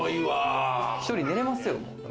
１人寝れますよ。